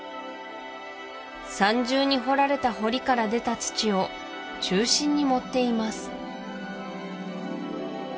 三重に掘られた堀から出た土を中心に盛っています